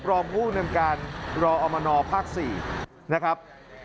รองผู้นำการรออมนภาค๔นะครับ